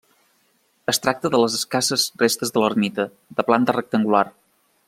Es tracta de les escasses restes de l'ermita, de planta rectangular.